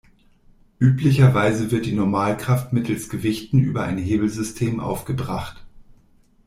Üblicherweise wird die Normalkraft mittels Gewichten über ein Hebelsystem aufgebracht.